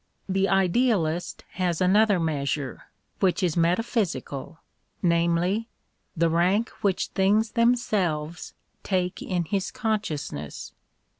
The idealist has another measure, which is meta physical, namely, the rank which things them selves take in his consciousness.